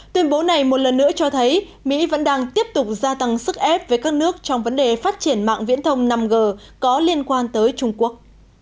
tuyên bố này một lần nữa cho thấy mỹ vẫn đang tiếp tục gia tăng sức ép với các nước trong vấn đề phát triển mạng viễn thông năm g có liên quan tới trung quốc